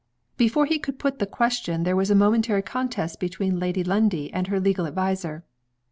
Before he could put the question there was a momentary contest between Lady Lundie and her legal adviser.